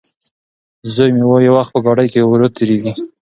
زوی مې وايي وخت په ګاډي کې ورو تېرېږي.